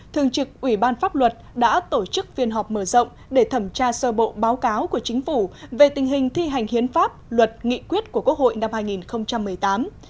thường trực ủy ban pháp luật đã tổ chức phiên họp mở rộng để thẩm tra sơ bộ báo cáo của chính phủ về tình hình thi hành hiến pháp luật nghị quyết của quốc hội năm hai nghìn một mươi tám